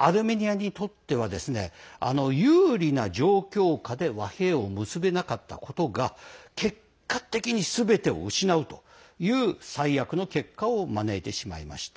アルメニアにとっては有利な状況下で和平が結べなかったことが結果的にすべてを失うという最悪の結果を招いてしまいました。